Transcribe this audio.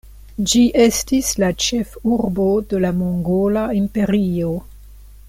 Ĝi estis la ĉefurbo de la Mongola Imperio.